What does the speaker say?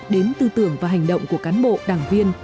đến tư tưởng và hành động của cán bộ đảng viên